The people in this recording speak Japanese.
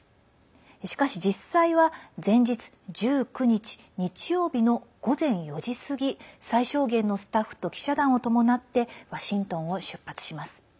しかし実際は、前日１９日、日曜日の午前４時過ぎ最小限のスタッフと記者団を伴ってワシントンを出発します。